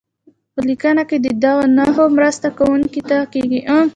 په لیکنه کې د دې نښو مرسته لوستونکي ته کیږي.